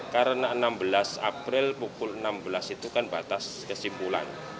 karena enam belas april pukul enam belas itu kan batas kesimpulan